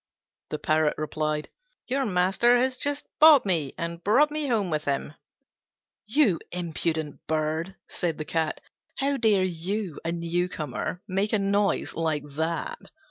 The Parrot replied, "Your master has just bought me and brought me home with him." "You impudent bird," said the Cat, "how dare you, a newcomer, make a noise like that?